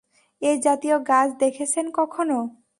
এই জাতীয় গাছ দেখেছেন কখনো?